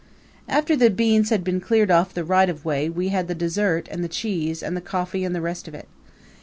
After the beans had been cleared off the right of way we had the dessert and the cheese and the coffee and the rest of it.